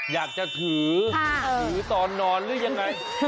อยากจะถือถือตอนนอนหรือยังไง